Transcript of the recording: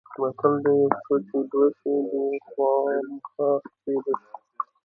متل دی: یوه ته چې دوه شي د یوه خوامخا سپېره شي.